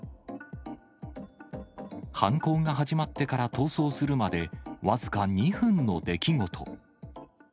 犯行が始まってから逃走するまで僅か２分の出来事。